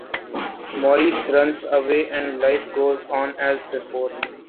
Maurice runs away and life goes on as before.